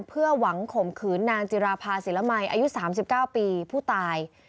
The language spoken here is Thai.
เพื่อหวังข่มขืนนางจิราภาศิลมัยอายุ๓๙ปีผู้ตาย